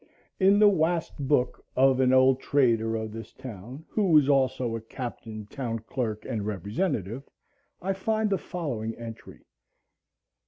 In the "Wast Book" of an old trader of this town, who was also a captain, town clerk, and representative, I find the following entry.